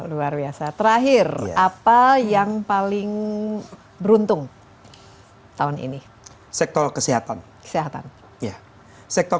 luar biasa terakhir apa yang paling beruntung tahun ini sektor kesehatan kesehatan ya sektor